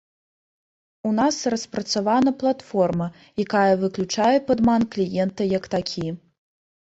У нас распрацавана платформа, якая выключае падман кліента як такі.